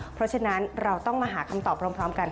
เพราะฉะนั้นเราต้องมาหาคำตอบพร้อมกัน